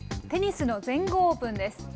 テニスの全豪オープンです。